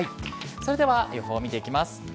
それでは予報を見ていきます。